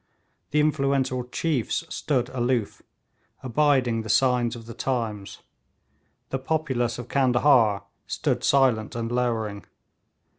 The influential chiefs stood aloof, abiding the signs of the times; the populace of Candahar stood silent and lowering.